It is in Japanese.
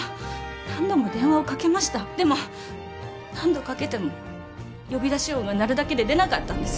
何度も電話をかけましたでも何度かけても呼び出し音が鳴るだけで出なかったんです